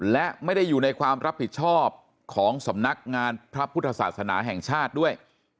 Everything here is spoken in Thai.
และไม่ได้อยู่ในความรับผิดชอบของสำนักงานพระพุทธศาสนาแห่งชาติด้วย